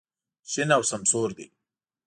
شین او سمسور دی.